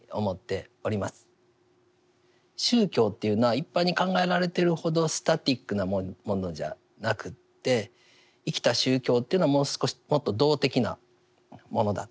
宗教というのは一般に考えられているほどスタティックなものじゃなくて生きた宗教というのはもう少しもっと動的なものだと。